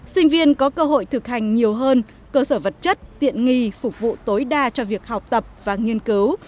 sinh viên có cơ hội thực hành nhiều hơn cơ sở vật chất tiện nghi phục vụ tối đa cho việc học tập và nghiên cứu